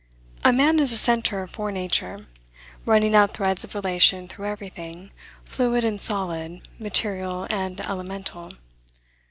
A man is a center for nature, running out threads of relation through everything, fluid and solid, material and elemental.